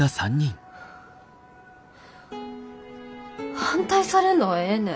反対されんのはええねん。